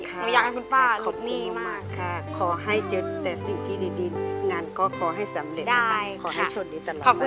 หนูอยากให้คุณป้ารุกนี้มากสงครามมากค่ะสงครามมาก